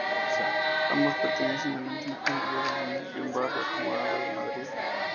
Ambos pertenecen a la misma pandilla de niños de un barrio acomodado de Madrid.